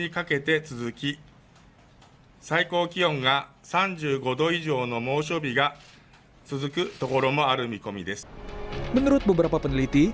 pemerintah menurut peneliti